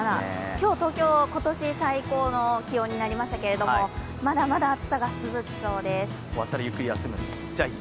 今日、東京都最高の気温になりましたけれどもまだまだ暑さが続きそうです。